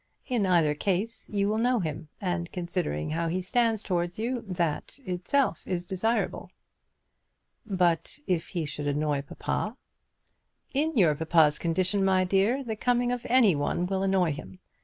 In either case you will know him, and considering how he stands towards you, that itself is desirable." "But if he should annoy papa?" "In your papa's condition, my dear, the coming of any one will annoy him.